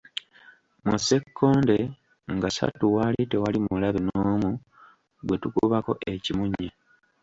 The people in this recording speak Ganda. Mu seekonde nga ssatu waali tewali mulabe n'omu gwe tukubako kimunye.